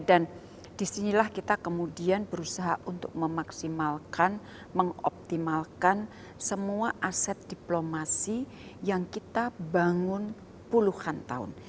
dan disinilah kita kemudian berusaha untuk memaksimalkan mengoptimalkan semua aset diplomasi yang kita bangun puluhan tahun